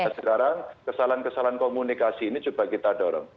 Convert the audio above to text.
jadi saya bilang kesalahan kesalahan komunikasi ini coba kita dorong